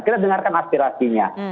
kita dengarkan aspirasinya